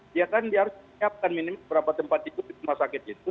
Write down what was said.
dia kan harus siapkan minim berapa tempat itu rumah sakit itu